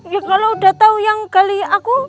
ya kalau udah tau yang gali aku